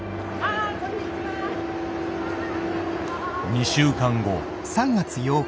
２週間後。